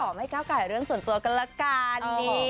ไม่ก้าวไก่เรื่องส่วนตัวกันละกัน